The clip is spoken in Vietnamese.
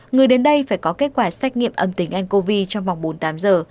người đến đây phải có kết quả xét nghiệm âm tính ncov trong vòng bốn mươi tám giờ